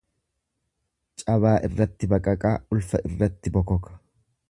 Cabaa irratti baqaqaa ulfa irratti bokoka.